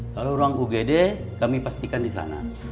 kalau ruang ugd kami pastikan di sana